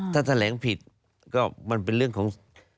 ถ้าแถลงผิดก็มันเป็นเรื่องของ